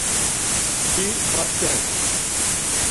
Ti makten.